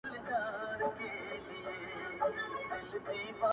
خدایه ته چیري یې او ستا مهرباني چیري ده.